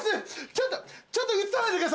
ちょっとちょっと写さないでください！